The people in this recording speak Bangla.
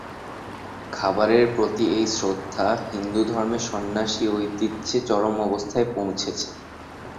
খাবারের প্রতি এই শ্রদ্ধা হিন্দুধর্মে সন্ন্যাসী ঐতিহ্যে চরম অবস্থায় পৌঁছেছে।